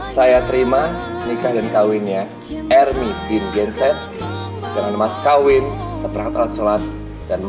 saya terima nikah dan kawinnya ernie bin genset dengan mas kawin sepakat sholat dan